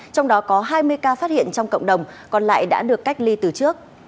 trong đó có hai mươi ca phát hiện trong cộng đồng còn lại đã được cách ly từ trước